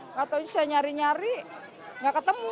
nggak tau aja saya nyari nyari nggak ketemu